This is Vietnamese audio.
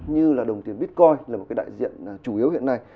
như là đồng tiền bitcoin là một cái đại diện chủ yếu hiện nay